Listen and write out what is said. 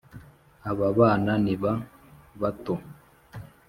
aba bana niba bato